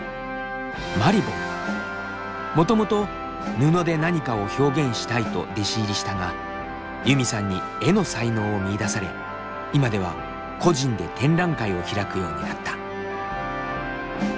もともと布で何かを表現したいと弟子入りしたがユミさんに絵の才能を見いだされ今では個人で展覧会を開くようになった。